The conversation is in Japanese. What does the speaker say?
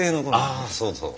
ああそうそう。